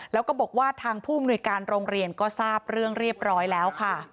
แล้วก็บอกว่าทางผู้มนุยการโรงเรียนก็ทราบเรื่องเรียบร้อยแล้วค่ะ